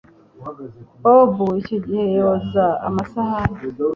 Bob icyo gihe yoza amasahani.